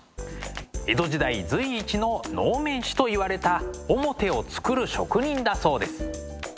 江戸時代随一の能面師といわれた面を作る職人だそうです。